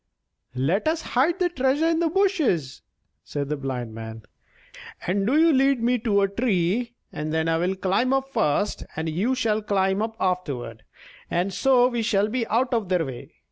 "Let us hide the treasure in the bushes," said the Blind Man; "and do you lead me to a tree; then I will climb up first, and you shall climb up afterward, and so we shall be out of their way."